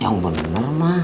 yang benar ma